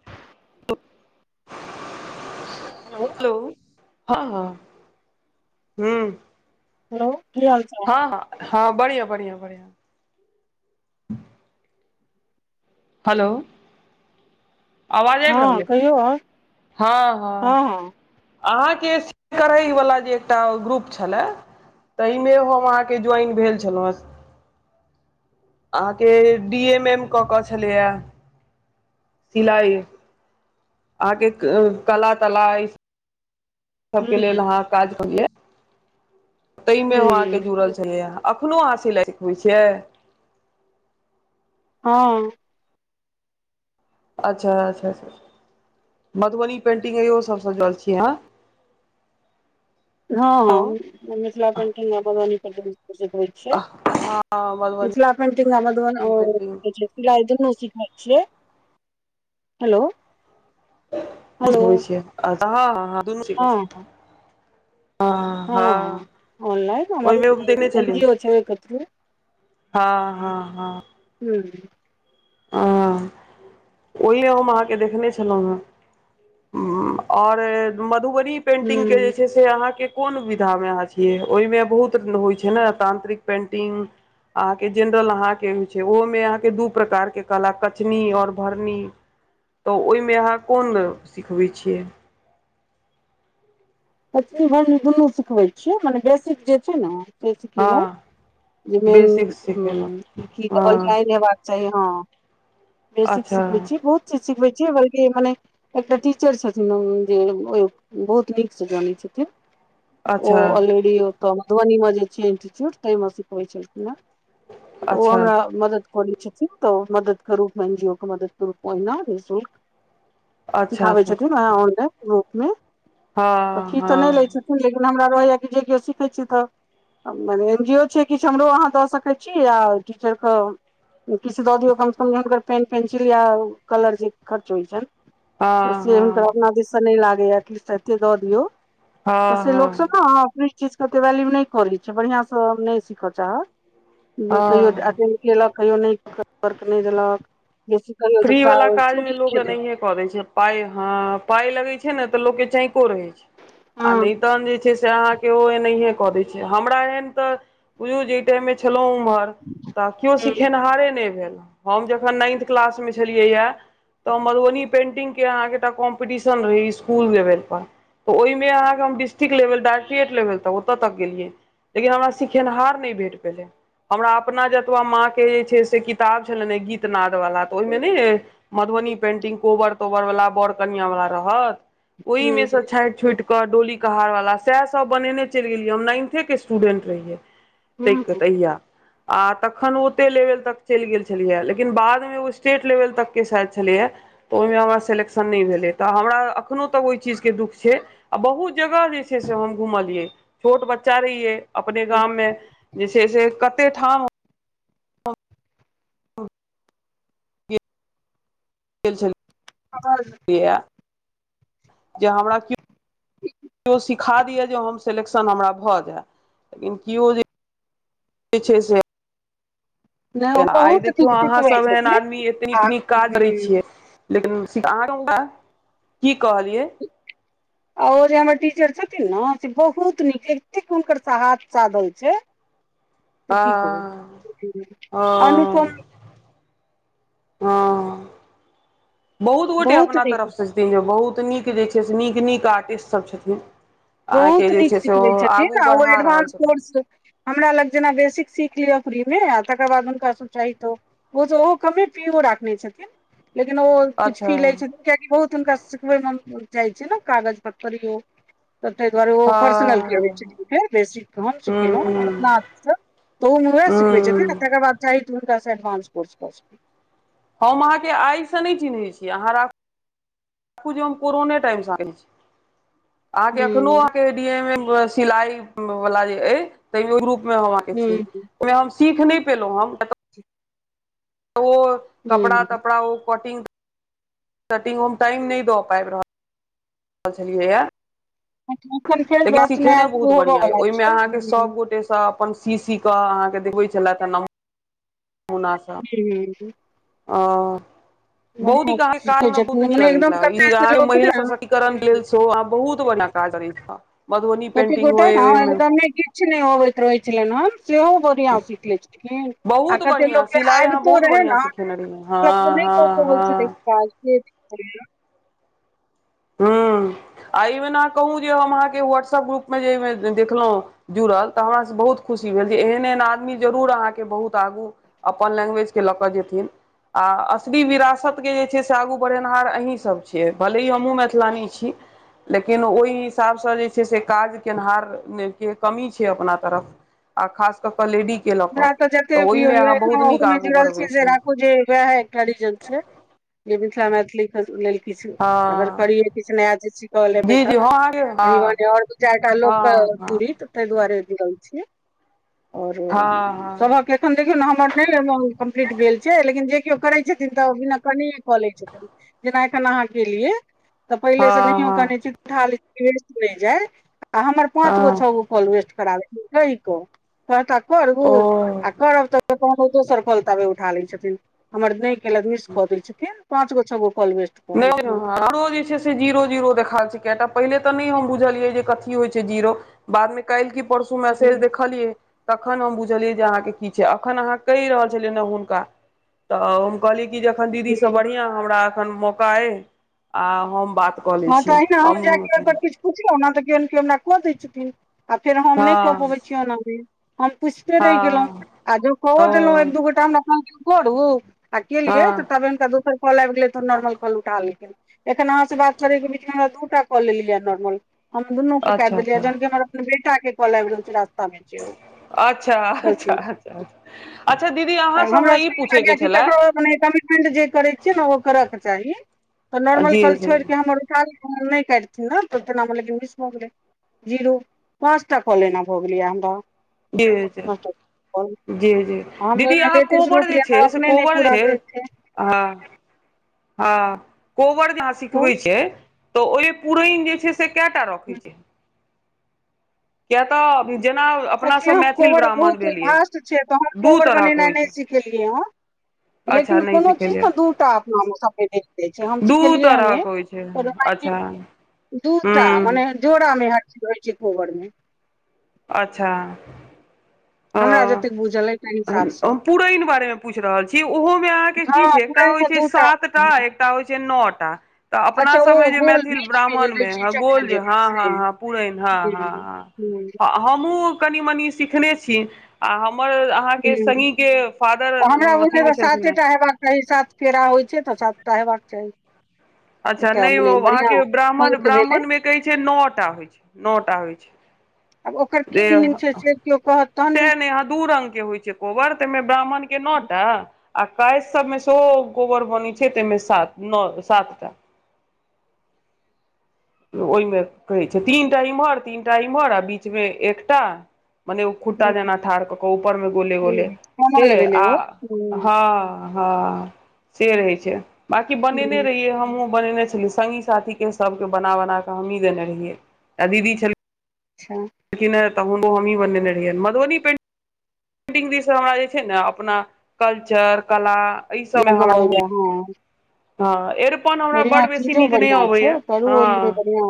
[inaudible] Hello hello हँ हँ हूं। हेलो कि हाल चाल हँ बढ़िआं बढ़िआं बढ़िआं। हेलो। आवाज आबि हँ रहलै कहियौ आओर हँ हँ। अहाँके करैवला जे एकटा ग्रुप छलए। ताहिमे हम अहाँके ज्वाइन भेल छलहुँ हेँ। अहाँके डी एम एम कऽ केऽ छलैय। सिलाई अहाँके कला तला इ सब के हूँ लेल अहाँ काज करलियै ताहि मे अहाँ के हूँ जुड़ल छलियै। एखनोहु अहाँ सिलाइ सिखबै छियै। हँ। अच्छा अच्छा। मधुबनी पेंटिंग इहो सभसँ जुरल छीयै अहाँ। हँ हेलो मिथिला पेंटिंग आओर बरौनी पेंटिंग छैय हँ मधुबनी मिथला पेंटिंग अ मधुबनी पेंटिंग अ नहि दुनु सिखने छियै हेलो। हेलो होई छैय हँ हँ दुनू ठीक होये छैय। ह हँ ऑनलाइन हमर ओहिमे उ देने एन छली। जी ओ छै ओहिके थ्रू हूँ हँ हँ हँ। हू। ह ओहि हम अहाँके देखने छलहुँ हेँ आओर मधुबनी पेन्टिंग के जे हूँ छैय। जे अहाँ के कोन विधा मे अहाँ छियै ओहिमे बहुत होइ छैय ने तांत्रिक पेंटिंग अहाँ के जेनरल अहाँ के होय छैय ओहो में अहां के दू प्रकार के के कला कचनी आओर भरनी तऽ ओहिमे अहाँ कोन सिखबै छियै। मछी भरनी दुनू सिखबै छियै मने बेसिक जे छैय ने सीख लेलहु हँ जे बेसिक सिखेलहुँ मेनी लल जा हँ हेबाक सही हँ बेसिक अच्छा सिखबै छी बहुत सिखबै छियै बलकि मने एकटा टीचर छथिन जे बहुत न से ओ जाने छथिन ओ अच्छा ऑलरेडी ओ तऽ मधुबनीमे जे छैय इन्स्टिच्यूट ताहिमे सिखबै छलखिन हेँ तऽ ओ अच्छा हमरा मदद करै छथिन तऽ मदद के रूप एन जी ओ के मदद करू ओना निशुल्क अच्छा सिखाबै अच्छा छथिन वह ऑनलाइन रूपमे तऽ हँ फी तऽ नहि लै हँ छथिन लेकिन हमरा रहैय कि जे केओ सीखै छी तऽ। मने एन जी ओ छैय किछु हमरो अहाँ दऽ सकैत छी आ टीचरके किछ दऽ दियौ कम से कम हुनकर पेंसिल या कलर जे खर्च होय छैन। तऽ हँ से हुनकर अपना हँ दिश सँ नैय लागैय किछ तऽ एते दऽ दियौ। हँ से लोक हँ सब कऽ आ चीज के ओते वैल्यू नैय करै छैय बढ़िआँ सँ नैय सीखऽ चाहत इ जे कहियो तऽ हँ अकेले। केलक कहियो नैय नैय देलक जैस कहियो तोरी नैय देलक। पड़ै छैय पाय ह पाय लगै छै ने तऽ लोक के चैक को रहै छैय हँ नहि तऽ आहाँ जे छैय आहाँ के केओ एनाहिये कऽ देै छैय हमरा एहन ते बुझु जे टाइम मे छेलौ उम्हर। तऽ कियौ हँ सिखेनिहारे नहि भेल हम जखन नाइन्थ क्लास मे छलियै या। तऽ मधुबनी पेंटिंग के आहाँके कॉम्पटिशन रहे इस्कुल लेवल पर ओय मे आहाँके हम डिस्रिक्ट लेव डायइ्ट्रेक तक ओतऽ तक गेलियै। लेकिन हमरा सिखेनहार नैय भेट पौले। हमरा अपना जतवा माँ के जे छै से किताब छले गीत नद वाला। तऽ ओय मे ने मधुबनी पेंटिंग कोबर- तोबर वला बर कनिया बाला रहत। ओय मे सँ छैंट -छूट के डोली कहार वला सएह सब बने चैल गेलियै हम नाइन्थे के स्टूडेन्ट रहियै। ताक हँ तहिया आ तखन ओते लेवल तक चैल गेल छेलियै लेकिन बाद मे ओ स्टेट लेवल तक के सायद छेलैया। तऽ ओय मे हमर सेलेक्शन नैय भेलै तऽ हमरा अखनो तक ओय चीजके दुःख छैय। आ बहुत जगह जे छैय से हम घूमलियै छोट बच्चा रहियै। अपने गाम मे जे छैय से कते ठाम गेल छल। अगर [unintelligible] जे हमरा कियो- कियो सिखा दि य जे हमरा सेलेक्शन। हमरा भ जे कियो [unintelligible] जे छैय से नहि ओ आय बहुत देखियौ नीक आहाँ सिखबै सब एहन छथिन आदमी एते नीक- आ नीक काज करै छियै। लेकिन [unintelligible] की कहलियै आ ओ जे हमर टीचर छथिन ने से बहुत नीक एतेक हुनकर हाथ साधल छैय। ह [unintelligible] हँ अनुपम हँ बहुत गोटे अपना तरफ से छथिन जे बहुत नीक जे छै से नीक- नीक आर्टिस्ट सब छथिन। अहाँके बहुत जे नीक छै से ओ सिखने छथिन आगू न आ ओ बढ़ा रहल एडवानंस छथिन कोर्स हमरा लग जेना बेसिक सीख लियअ फ्री मे आ तकर बाद हुनका चाही तो। ओ त ओहो कमे कमेटियों राखने छथिन लेकिन ओ किछ अच्छा फी लैत छथिन। कियाकि बहुत हुनका सिखबेै मे जाय छैय न कागज पत्तर यो तऽ तैय दुआरे ओ पर्सनल के लेल हँ छथिन सब बेसी हम सिखेलौ हूँ अपना हाथ सँ। तऽ ओमरो सिखबै छथिन हूँ तकर बाद चाही त हुनका स डवान्स कोर्स हम आहाँके आय से नैय चिन्हा छी आहाँ राख राखू जे हम कोरोने टाइम से चिन्है छी आहाँके अखनो हूँ [unintelligible] रूप मे हम अहके छी ओय हूँ मे हम सीख नैय पेलो हम। ओ हूँ कपड़ा-तपड़ा ओ कटिंग-तटिंग टाइम नैय द पाइब रहल। ब छलियै यए। एखन फेर लेकिन बैच सिखेनेै नया शुरू बहुत होबऽ बढ़ियां या बला ओय मे छै आहाँ के हूँ सब गोटेसँ अपन सी -सी के आहाँ के देखबे छलेैथ तह न। होना स हूँ अ बहुत ही बढ़िआँ आहाँके काराज सीखै हमरा बहुत छथिन नीक मने लगैत एकदम कते से छल लोक महिला ने सशक्तिकर के लेल सेहो आहाँ बहुत बढ़िया कऽ करै थ [unintelligible] केते गोटा हँ हँ एकदमै नै किछ नैय होवेत आबैत रहै छेलैन से हो। िया सीख ले छलिन आ बहुत कते बढ़िआँ लोकके सिलाइ अहाँ आबितो बहुत रहे ने बढ़िआँ सिखेने रहियै हँ नहि हँ क हँ पैत छल। [unintelligible] की। ह आ एहिमे अहाँ कहू जे हम अहाँके व्हाट्सअप ग्रुपमे जेमे देखलहुँ। जुड़ल तऽ हमरासँ बहुत खुशी भेल जे एहन एहन आदमी जरूर अहाँके बहुत आगू अपन लैंग्वेज के लऽ कऽ जेथिन। आऽ असली विरासत के जे छै से, आगू बढ़ेनहार अहीं सब छिय, भले ही हमहुँ मे थिलानी छी, लेकिन ओहि हिसाब स जे छय से काज केनहार नय के कमी छय अपना तरफ, आ खास कक लेडी हमरा तऽ जेते भी होय ये, ऐखनो ओहो में आगू जुरल छी बढ़बै जे छै राखु जे उहे एकटा रीजन छय जे, मिथिला मैथिली लेल किछु, अगर हँ करिय किछ नया चीज सीख बला जी जी भेटत। हँ अहाँके अही बहाने और दु -चारि टा लोक के हँ हँ पूरीत। तहि दुआरे जुरल छीय और अहां सभक एखन देखयौ न, हमर नहि कम्प्लीट भेल छै, लेकिन जे केओ करै छथिन तऽ बिना कनिए कऽ लै छथिन। जेना एखन अहाँ केलिय। तऽ हँ पहिले स हँ नहियो हँ कहने छी त, उठा ल छी मिस नहि जाय आ हमर पाँच गो छ हँ गो काॅल वेस्ट करा देलेन, कहय क कहता करू ओ आ करब तऽ त तहन ओ, दोसर काॅल ताबे उठा लै छथिन, हमर नहि केलत मिस कऽ दै छथिन। पाँच गो छ गो काॅल वेस्ट कऽ देलखिन नहीं [unintelligible] जीरो जीरो देखा द छै केटा, पहिले तऽ नहि हम बुझलियै, जे कथी होइ छै जीरो। बादमे कालि की परसू मैसेज हमर देखलियै तखन हम बुझलियै, जे अहाँके की छै, अखन अहाँ कहि रहल छलियै ने हुनका तऽ कहलीय कि जे, एखन दीदी स बढ़िया हमरा एखन मौका अय, आ हम बात कऽ लै हँ त छी अहिना हम जेह की ओय पर किछ पुछलो न त कियो न कियो हमरा क दै छथिन, आ फेर हम नहि कऽ हँ पबै छीय ओना भी। हम पुछते रहि गेलहुँ, हँ आ ज कओ ओ देलहुँ एक दू गोटा हमरा फोन केलन करू आ केलिय तऽ हँ ताबे हुनका दोसर काॅल आबि गेलै, त नॉर्मल काॅल उठा लेल कय, एखन अहाँ से बात दु टा काॅल ऐलिय ये नोर्मल हम दुनू के काट अच्छा देलियै, अच्छा जहन की हमर अपन बेटा के कॉल ऐब रहल छले, रास्ता में छय ओ। अच्छा कोचिंग। -अच्छा। अच्छा दीदी। आ हमरा सबके ई लागये कि, ककरो मने कमिटमेंट जे करै छिय न ओ कर के चाही। तऽ नॉर्मल जी काॅल जी छोड़ि कऽ, हमर उठाक नहि काटथिन न, त तेना में लेकिन मिस भऽ गेलै। जीरो पाँच टा काॅल ऐना भऽ गेलै हमरा। पाँच [unintelligible] टा कॉल। जी -जी, हम दीदी ओहिना अहाँ लेटेस्ट कोबर जे रोपलियै हमरा छै, से अपने नहि कोबर पूरा रहय भेल छै आ-आ, कोबर जे अहां कहू सिखबे छिय। तऽ ओहि पुरैन जे छै से के टा रखय छीय। तऽ जेना एखले अपनासभ हम मैथिल कोबर ब्राह्मण बहुत भेलियै भास्ट छै, तऽ हम दू कोबर तरहक बनेनाइ होइ नहि छै सीख के लिय ह। अच्छा लेकिन नहि कोनो चीज सिखेलियै ने दू टा अपनामे सबके देख दै छै, हम दू सिखेलियै हे तरहक न। होइ अच्छा। दूटा हूँ मने जोड़ामे हर चीज होय छय, कोबर में। अच्छा। हमरा जतेक बुझल अइ तै ओ हिसाबसँ पुरैन बारेमे पूछि रहल छी, ओहोमे अहाँके की हँ छै, एकटा होइ पुरानमे छै दू टा सातटा एकटा होइ छै न टा। तऽ अपना अच्छा ओ सबमे जे गोल मैथिल बीच मे जे ब्राह्मण दै में छै हं चक्र गोल जे जेकाँ हँ- हँ से ह पुरैन हँ- हं हूँ हूँ ह। हमहु कनि-मनी सिखने छी आ हमर आ अहाँ के हूँ संगी के फादर अथी मे छलखिन है। सही सात फेड़ा होए छै तऽ सातटा हेबाक चाही अच्छा एकटा नहि ओ मने बढ़िआँ अहाँके ब्राह्मण अंक भेलै ब्राह्मण मे कहै छैय। नौ टा होए छै। नौ टा होए छै। आब ओकर की मीनिंग जे छै से क्यो कहत तहने से ने आ दू रंग के होए छै कोबर तइमे ब्राह्मण के नौ टा आ कइश सबमे सेहो कोबर बनै छै ताहिमे सात नौ सातटा ओहिमे कहै छै तीन टा इम्हर तीन टा इमहर आ बीचमे एकटा मने ओ खुट्टा जेना ठाढ़ कऽ कऽ ऊपर मे गोले-गोले से कमल भेलै आ ओ हूं, हँ हँ से रहै छै बकी बनेने रहियै हमहुँ बनेने छलि संगी साथी के सबके बना-बना के हमि देने रहियै आ दीदी छैल अच्छा छलखिन तहन ओ हमही बने रहियै मधुबनी पेंट पेटिंग दिससँ हमरा जे छै ने अपना कल्चर कला एहि सबमे हमरा लगाओ जाउ बहुत हँ हँ एरपन हमरा बढ़ियां बड्ड बेसी चीजो नीक नहि बढ़ियां अबै छै यै। करू ओहिमे हँ बढ़ियां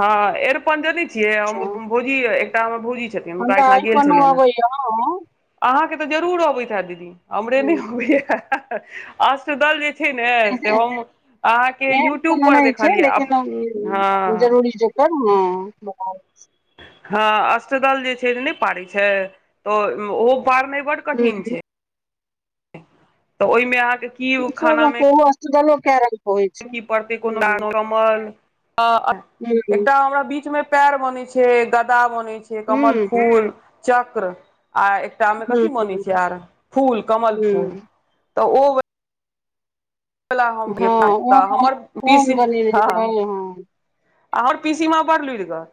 हँ एरपन जनै छियै अच्छा भोजी एकटा हमरा भोजी छथिन। हुनका हमरा एहिठाम गेल अइरपनो छलियनि हेँ अबैए यै। हँ अहाँके तऽ जरूर अबैत हैत दीदी हमरे नहि अबैया अष्टदल जे छय। ने से हम अहाँके एहन यूट्यूब कोनो पर नहि छै देखलियै अप हँ [unintelligible] बताबय छी हँ अष्टदल जे छै नहि पारै छै तऽ ओहो पारनाइ बड हूं, कठिन छै। तऽ ओहिमे अहाँके की खाना मे [unintelligible] ओहो अष्टदलो के रंग के होइ छै की पड़तैय [unintelligible] हूँ पऽल अ आ हूँ एकटा हमरा बीच मे पैर बनै छै गदा बनै छै के कमल हूँ फूल चक्र आ एक टामे हूँ कथी बने छै आर फूल कमल फूल हूँ तऽ ओ वला हम हँ ओम तऽ हम हमर ओम बनेने रही हँ आ हमर पीसीमाँ बड़ लुरिगर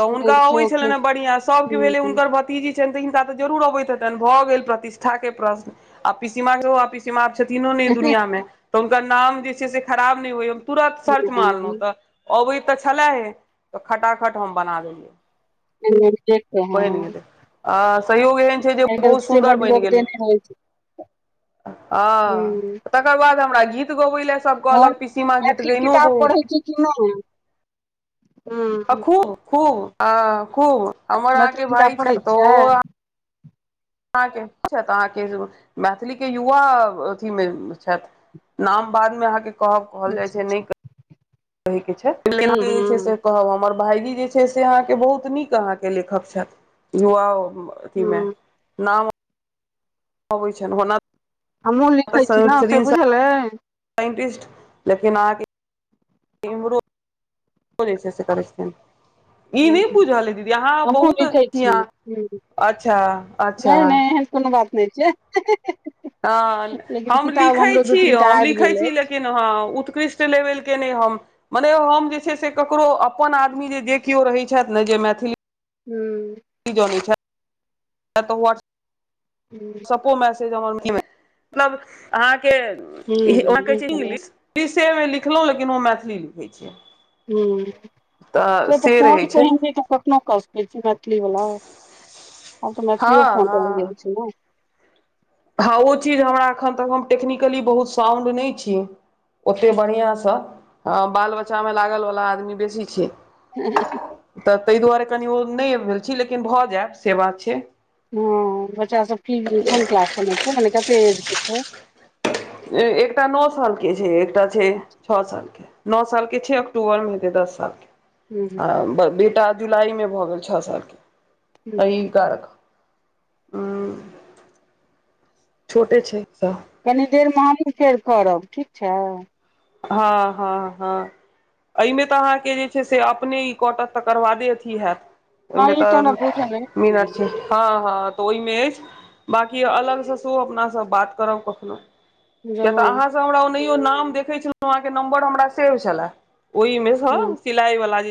तऽ हुनका अबै सेहो हूँ छलैन ह बढ़िया सबके भेलै हँ हुनकर भ तिजी छनि तऽ हिनका तऽ जरूर अबैत हेतनि भऽ गेल प्रतिष्ठा के प्रश्न आ पिसीमाँ आब छथिनो नै एइ दुनिया मे तऽ हुनकर नाम जे छै से खराब नहि हो तुरत सर्च मारलौ तऽ अबै तऽ छलैहे तऽ खटाखट हम बना देलियै [unintelligible] हँ अ सहयोग ऐहन छै जे बहुत से सुन्दर बड बनि लोक गेलै देने रहै छै ह हूँ तकर बाद हमरा गीत गबैलै सब कहलक पिसीमाँ गीत गइनो बहुत किनउ है आ खूब खूब अ खूब हमर मैथिली अहाँके भाय किताब छै पढ़ै त ओ छियै अहाके के छथि अहाँके मैथिली के युवा अथीमे छथि नाम बाद मे अहाँके कहब कहल जाइ अच्छा छै अच्छा नहि- के छैय हूँ हूँ [unintelligible] कहब हमर भाईजी जे छै से अहाँके बहुत नीक अहाँके लेखक छथि युवाओं अथि में हूँ नाम अबै छनि होना हमहुँ लिखै छी ने से बुझल अइ? साइंटिस्ट लेकिन आहाँके। इम्हरो- जे से करै छथिन ई नै हूँ बुझल है दीदी आहाँ हमहुँ बहुत लिखै छी जे हूँ आहाँ। अच्छा -अच्छा नहि नहि एहन कोनो बात नै छै ह-ह-ह हँ हम लिखै दू तीन छीयो टा हम आबि लिखै गेल छी अछि लेकिन- हँ उत्कृष्ट लेवेल के नै हम- माने हम जे छै से ककरो अपन आदमी जे केयो रहै छैथ ने जे मैथिली- हुँ। की [unintelligible] हूँ। अपनो मैसेज मतलब आहाँके आहाँ के लागै छै हूँ इंगलिश। इंगलिशे मे लिखलौ लेकिन हम मैथिली मे लिखै छियै। हूँ से तऽ टोन केहन छै तऽ कखनो कऽ सकै छी मैथिली वला। आब तऽ हँ मैथिलीयो फोन हँ भऽ जाइ छै नऽ। हँ ओ चीज हमरा एखन तक हम टेक्निकली बहुत साउंड नै छी। ओते बढ़िआं सँ हँ बाल बच्चामे लागल वला आदमी बेसी छी। उ हूँ क तऽ तै दुआरे कनि ओ नै भेल छी लेकिन भऽ जैब से बात छै। हँ बच्चा सब की कोन क्लास छै माने कते एज के छै? एकटा नौ सालके छै एकटा छै छ सालके। नौ साल के छै अक्टूबर मे हेतै दस साल के हूँ आ- बेटा जुलाई मे भऽ गेल छ साल के अइ कारक। छोटे छै सब। कनि देर मे हमही फेर करब ठीक छै? हँ, हँ, हँ। अइ मे तऽ आहाँके जे छै से अपने ई कटत तकर बादे अथी हेएत? अइ हँ मे ई तऽ हमरा बुझल अइ मिनट छै। हँ हँ तऽ ओय मे अइछ बाकी अलग सँ सेहो अपना सब बात करब कखनो। कियाक तऽ जरूर आहाँ सँ हमरा ओनहियो नाम देखै छेलौ आहाँके नंबर हमरा सेव छेल्ला ओइमे। हँ हूँ सिलाइ वला जे-